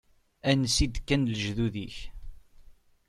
Ansi d-kkan lejdud-ik?